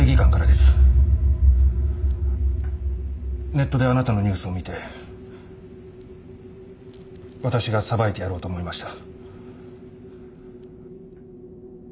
ネットであなたのニュースを見て「私が裁いてやろう」と思いました。